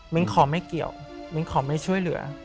ขอไม่เกี่ยวมิ้งขอไม่ช่วยเหลือ